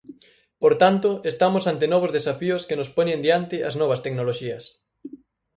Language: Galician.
Por tanto, estamos ante novos desafíos que nos poñen diante as novas tecnoloxías.